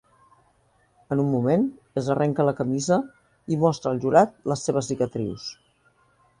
En un moment, es arrenca la camisa i Mostra al jurat les seves cicatrius.